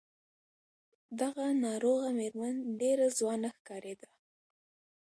دغه ناروغه مېرمن ډېره ځوانه ښکارېده.